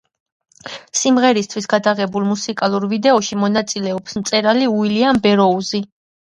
სიმღერისათვის გადაღებულ მუსიკალურ ვიდეოში მონაწილეობს მწერალი უილიამ ბეროუზი.